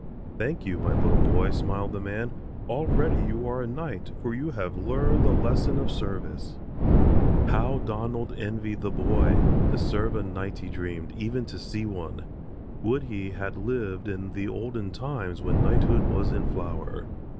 "Thank you, my little boy," smiled the man. "Already you are a knight for you have learned the lesson of service." How Donald envied the boy. To serve a knight, he dreamed, even to see one. Would he had lived in the olden times when knighthood was in flower.